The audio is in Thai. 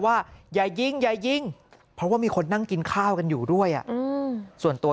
ว่าอย่ายิงอย่ายิงเพราะว่ามีคนนั่งกินข้าวกันอยู่ด้วยส่วนตัว